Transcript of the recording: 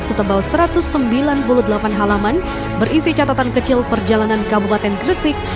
setebal satu ratus sembilan puluh delapan halaman berisi catatan kecil perjalanan kabupaten gresik